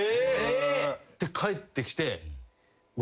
帰ってきて。